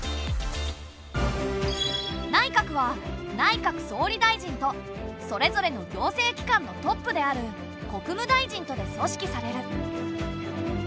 内閣は内閣総理大臣とそれぞれの行政機関のトップである国務大臣とで組織される。